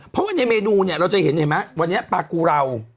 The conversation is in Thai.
เพราะวันนี้เมนูนี้เราจะเห็นว่าปากุเเรา